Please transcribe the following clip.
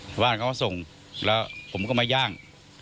ชาวบ้านเขาก็ส่งแล้วผมก็มาย่าง